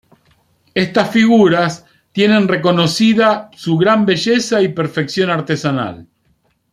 Estas figuras tienen reconocida su gran belleza y perfección artesanal.